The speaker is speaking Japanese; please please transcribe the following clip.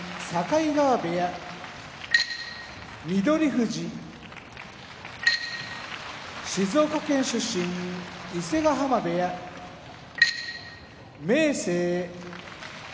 翠富士静岡県出身伊勢ヶ濱部屋明生